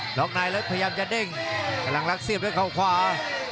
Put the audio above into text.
ล็อกในแล้วพยายามจะเด้งพลังรักเสียบด้วยเขาขวา